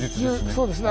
そうですね